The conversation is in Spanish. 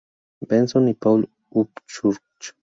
Benson y Paul Upchurch.